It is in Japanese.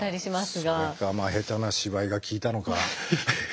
それか下手な芝居が効いたのか。